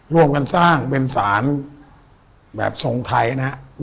ร่วมกันสร้างเป็นสารแบบทรงไทยนะครับ